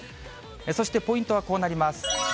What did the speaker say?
そしてポイントはこうなります。